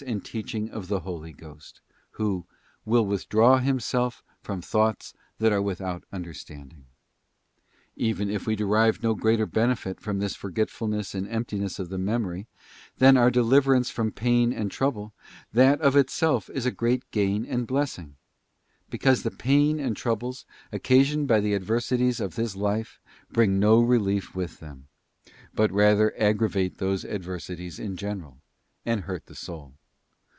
and teaching of the Holy Ghost, Who 'will withdraw Him self from thoughts that are without understanding.'t Even if we derived no greater benefit, from this forgetfulness and emptiness of the memory, than our deliverance from pain and trouble, that of itself is a great gain and blessing; because the pain and troubles, occasioned by the adversities of this life, bring no relief with them, but rather aggravate those * Ps. xxii. 8. + Wisd. i. 5. BOOK Tit. The cure for the ills of life. 220 THE ASCENT OF MOUNT CARMEL. adversities in general, and hurt the soul.